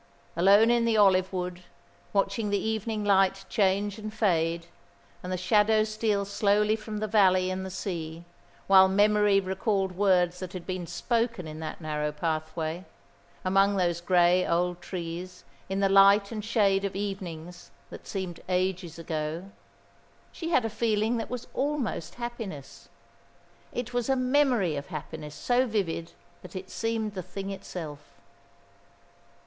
Alone in the olive wood, watching the evening light change and fade, and the shadows steal slowly from the valley and the sea, while memory recalled words that had been spoken in that narrow pathway, among those grey old trees in the light and shade of evenings that seemed ages ago, she had a feeling that was almost happiness. It was a memory of happiness so vivid that it seemed the thing itself.